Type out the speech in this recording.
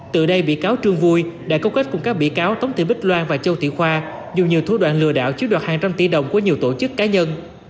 từ đây bị cáo trương vui đã câu kết cùng các bị cáo tống thị bích loan và châu thị khoa dùng nhiều thủ đoạn lừa đảo chiếm đoạt hàng trăm tỷ đồng của nhiều tổ chức cá nhân